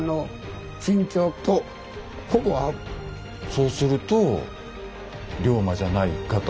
そうすると龍馬じゃないかと。